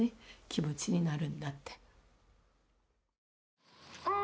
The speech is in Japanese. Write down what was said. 気持ちになるんだって。